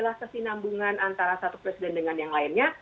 adalah kesinambungan antara satu presiden dengan yang lainnya